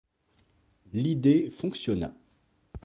L'idée fonctionna.